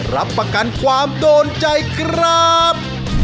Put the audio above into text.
รับประกันความโดนใจครับ